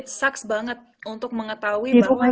it sucks banget untuk mengetahui bahwa ada kasus yang